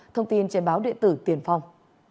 thông tin trên báo địa tử tiền phong